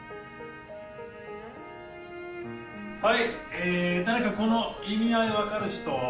えー誰かこの意味合いわかる人？